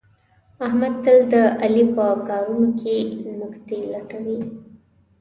احمد تل د علي په کارونو کې نکتې لټوي.